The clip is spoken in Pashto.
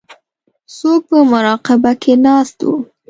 څوک په مراقبه کې ناست وو.